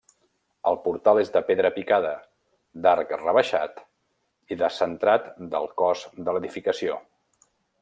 El portal és de pedra picada, d'arc rebaixat i descentrat del cos de l'edificació.